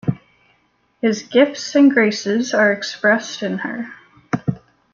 His gifts and graces are expressed in her.